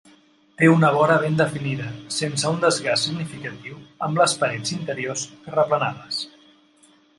Té una vora ben definida sense un desgast significatiu, amb les parets interiors terraplenades.